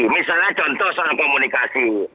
misalnya contoh soal komunikasi